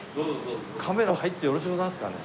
カメラ入ってよろしゅうございますかね？